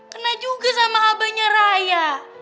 kena juga sama habanya raya